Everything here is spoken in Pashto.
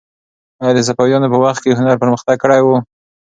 آیا د صفویانو په وخت کې هنر پرمختګ کړی و؟